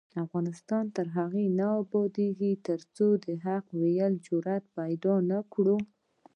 افغانستان تر هغو نه ابادیږي، ترڅو د حق ویلو جرات پیدا نکړو.